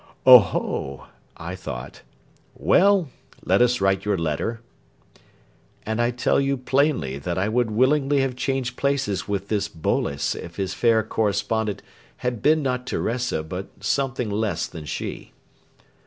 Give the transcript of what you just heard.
"Oh, ho!" I thought. "Well, let us write your letter..." And I tell you plainly that I would willingly have changed places with this Boles if his fair correspondent had been not Teresa but something less than she.